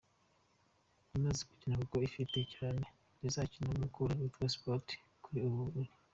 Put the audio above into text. imaze gukina kuko ifite ikirarane izakina na Mukura Victory Sport kuri ubu iri